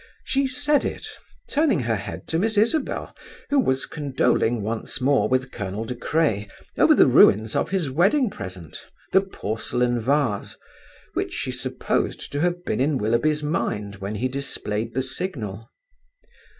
She said it, turning her head to Miss Isabel, who was condoling once more with Colonel De Craye over the ruins of his wedding present, the porcelain vase, which she supposed to have been in Willoughby's mind when he displayed the signal.